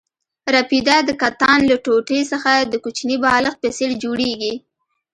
رپیده د کتان له ټوټې څخه د کوچني بالښت په څېر جوړېږي.